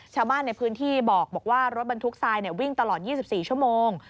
ชาวบ้านในพื้นที่บอกว่ารถบรรทุกทรายวิ่งตลอด๒๔ชั่วโมง